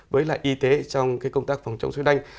với lại y tế trong cái công tác phòng chống sốt huyết đanh